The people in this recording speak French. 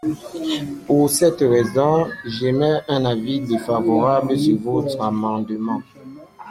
Pour cette raison, j’émets un avis défavorable sur votre amendement.